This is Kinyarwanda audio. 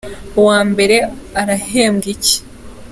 Uwambere arahebwa iki?